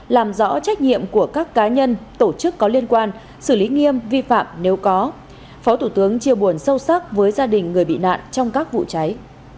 làm rõ trách nhiệm của các cá nhân tổ chức có liên quan xử lý nghiêm vi phạm nếu có phó thủ tướng chia buồn sâu sắc với gia đình người bị nạn trong các vụ cháy